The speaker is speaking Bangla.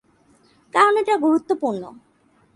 কারণ এটা গুরুত্বপূর্ণ।